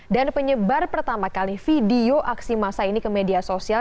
dan penyebar pertama kali video aksi masa ini ke media sosial